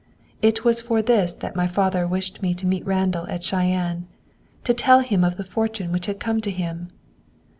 It was for this that my father wished to meet Randall at Cheyenne to tell him of the fortune which had come to him!"